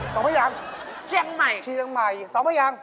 ส่องพะยังเชียงใหม่ส่องพะยัง